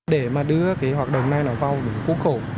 để đưa hoạt động này vào khu khẩu